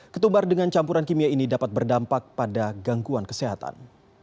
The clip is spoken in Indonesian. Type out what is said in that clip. ketumbar dengan campuran kimia ini dapat berdampak pada gangguan kesehatan